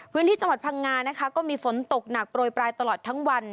พื้นที่จังหวัดพังงานะคะก็มีฝนตกหนักโปรยปลายตลอดทั้งวัน